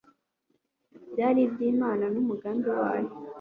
byari iby Imana n'umugambi wayo